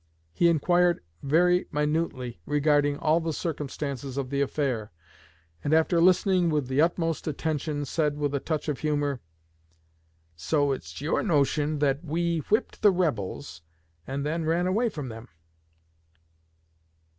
He inquired very minutely regarding all the circumstances of the affair, and after listening with the utmost attention, said, with a touch of humor: "So it's your notion that we whipped the rebels, and then ran away from them!"